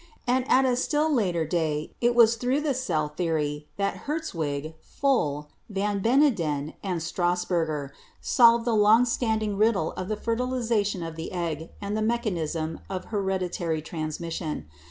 And at a still later day it was through the cell theory that Hertwig, Fol, Van Beneden and Strasburger solved the long stand ing riddle of the fertilization of the Qgg and the mechanism of hereditary transmission.